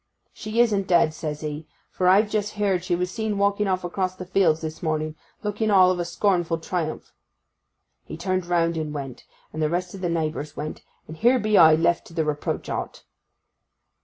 "She isn't dead," says he; "for I've just heard she was seen walking off across the fields this morning, looking all of a scornful triumph." He turned round and went, and the rest o' the neighbours went; and here be I left to the reproach o't.